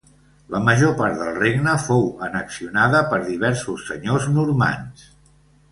La major part del regne fou annexionada per diversos senyors normands.